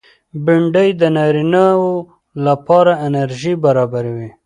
بېنډۍ د نارینه و لپاره انرژي برابروي